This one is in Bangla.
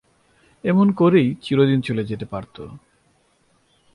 এমনি করেই চিরদিন চলে যেতে পারত।